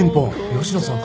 吉野さん